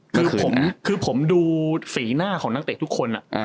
คือผมคือผมดูฝีหน้าของนักเตะทุกคนอ่ะอ่า